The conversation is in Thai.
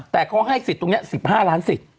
แต่เขาให้สิทธิ์ตรงนี้๑๕ล้านสิทธิ